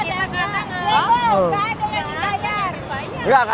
tidak ada yang dibayar